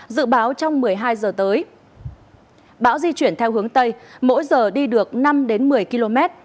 dự báo trong một mươi hai giờ tới bão di chuyển theo hướng tây mỗi giờ đi được năm đến một mươi km